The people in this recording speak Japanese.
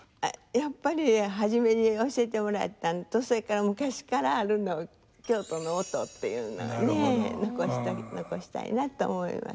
やっぱり初めに教えてもらったんとそれから昔からある京都の音っていうのね残したいなと思います。